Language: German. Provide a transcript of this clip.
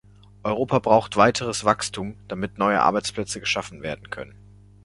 Europa braucht weiteres Wachstum, damit neue Arbeitsplätze geschaffen werden können.